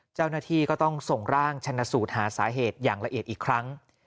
เจ้าหน้าที่ก็ต้องส่งร่างชนะสูตรหาสาเหตุอย่างละเอียดอีกครั้ง